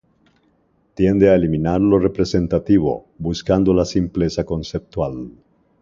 Tiende a eliminar lo representativo, buscando la simpleza conceptual.